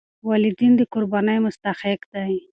والدین د قربانۍ مستحق دي.